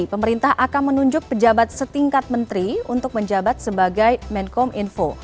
pemerintah akan menunjuk pejabat setingkat menteri untuk menjabat sebagai menkom info